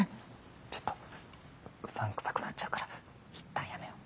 ちょっとうさんくさくなっちゃうからいったんやめよう。